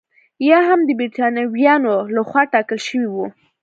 یا هم د برېټانویانو لخوا ټاکل شوي وو.